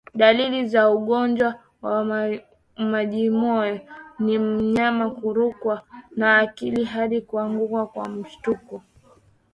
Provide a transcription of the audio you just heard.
Dalili za ugonjwa wa majimoyo ni mnyama kurukwa na akili hadi kuanguka kwa mshtuko